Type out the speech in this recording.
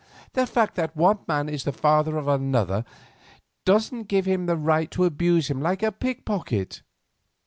The fact that one man is the father of another man doesn't give him the right to abuse him like a pickpocket.